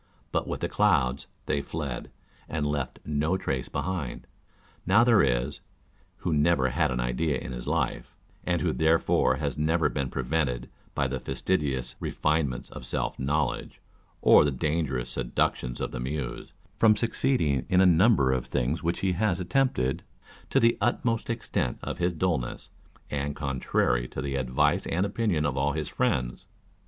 But with the clouds they fled, and left no trace behind. Now there is , who never had an idea in his life, and who therefore has never been prevented by the fas tidious refinements of self knowledge, or the dangerous seductions of the Muse, from succeeding in a number of things which he has attempted, to the utmost extent of his dullness, and contrary to the advice and opinion of all his friends.